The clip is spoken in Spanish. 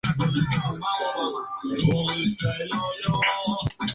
Howard Hanson elaboró por primera vez muchos de los conceptos para analizar música tonal.